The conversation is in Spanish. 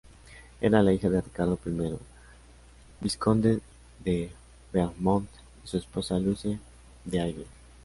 Era la hija de Ricardo I, vizconde de Beaumont, y su esposa Lucie de-l'Aigle.